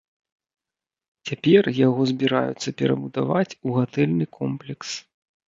Цяпер яго збіраюцца перабудаваць у гатэльны комплекс.